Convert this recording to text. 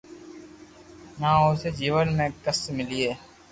نھ اوسي جيون ۾ ڪسٽ ملئي